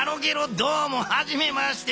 どうもはじめまして。